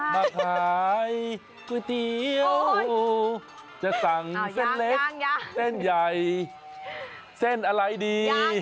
มาขายก๋วยเตี๋ยวจะสั่งเส้นเล็กเส้นใหญ่เส้นอะไรดี